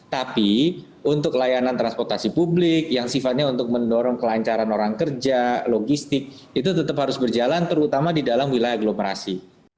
tapi untuk layanan transportasi publik yang sifatnya untuk mendorong kelancaran orang kerja logistik itu tetap harus berjalan terutama di dalam wilayah aglomerasi